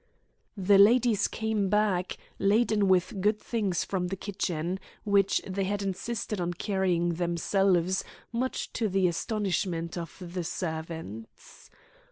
The ladies came back, laden with good things from the kitchen, which they insisted on carrying themselves, much to the astonishment of the servants.